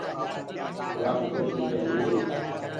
هوآ ڪُدرتيٚ چلدو هي